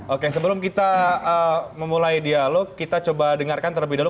oke sebelum kita memulai dialog kita coba dengarkan terlebih dahulu